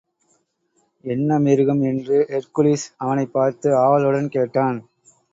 என்ன மிருகம்? என்று ஹெர்க்குலிஸ் அவனைப்பார்த்து ஆவலுடன் கேட்டான்.